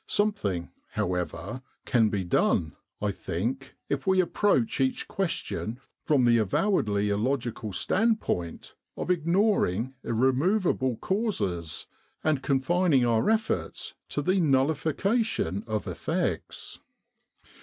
Something, however, can be done, I think, if we approach each question from the avowedly illogical standpoint of ignoring irremovable causes, and confining our efforts to the nullification of effects.